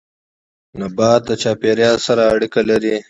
نبات د چاپيريال سره اړيکه لري